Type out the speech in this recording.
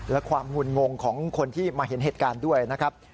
และความงุ่นงงของคนที่มาเห็นเหตุการณ์ด้วยนะครับ